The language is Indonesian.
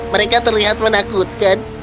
mereka terlihat menakutkan